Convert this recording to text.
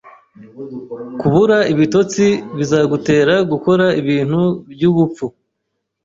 Kubura ibitotsi bizagutera gukora ibintu byubupfu.